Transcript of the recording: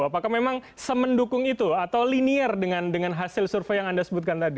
apakah memang se mendukung itu atau linier dengan hasil survei yang anda sebutkan tadi